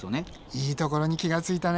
いいところに気がついたね。